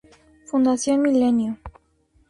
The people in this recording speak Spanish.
Fundación Milenio.